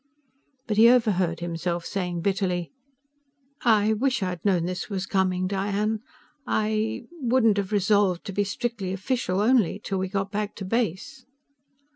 But he overheard himself saying bitterly: "I wish I'd known this was coming, Diane. I ... wouldn't have resolved to be strictly official, only, until we got back to base."